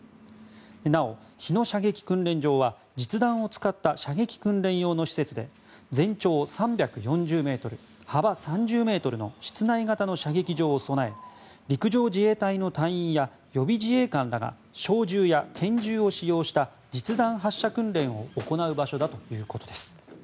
なお日野射撃訓練場は実弾を使った射撃訓練用の施設で全長３４０ｍ幅３０ｍの室内型の射撃場を備え陸上自衛隊の隊員や予備自衛官らが小銃や拳銃を使用した実弾発射訓練を行う場所だということです。